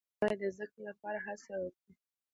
ښځې باید د زدهکړې لپاره هڅه وکړي.